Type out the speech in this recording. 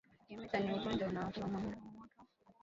Kimeta ni ugonjwa unaowaathiri wanyama wenye damu moto